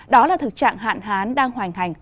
đó là thực trạng hạn hán đang hoành hành